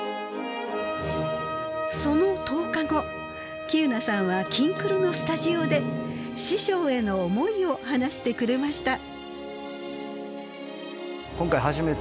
その１０日後喜友名さんは「きんくる」のスタジオで師匠への思いを話してくれました。